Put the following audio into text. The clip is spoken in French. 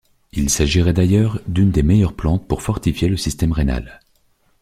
Il s'agirait d'ailleurs d'une des meilleures plantes pour fortifier le système rénal.